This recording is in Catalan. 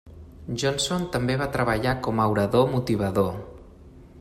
Johnson també va treballar com a orador motivador.